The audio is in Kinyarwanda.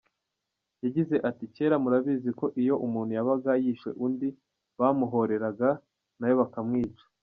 Yagize ati “Kera murabizi ko iyo umuntu yabaga yishe undi bamuhoreraga, na we bakamwica.